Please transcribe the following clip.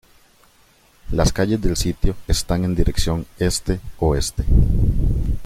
Las calles del sitio están en dirección este-oeste.